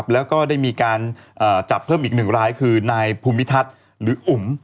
แล้วก็ได้มีการจับเพิ่มอีก๑รายคือนายภูมิทัศน์หรืออุ๋ม